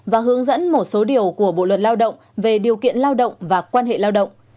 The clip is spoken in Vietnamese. và hướng dẫn một số điều của bộ luật lao động về điều kiện lao động và quan hệ lao động